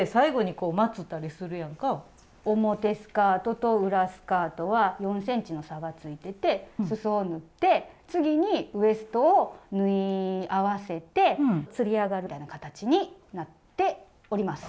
表スカートと裏スカートは４ｃｍの差がついててすそを縫って次にウエストを縫い合わせてつり上がるみたいな形になっております。